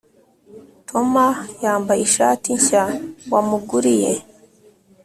toma yambaye ishati nshya wamuguriye?